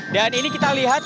dan ini kita lihat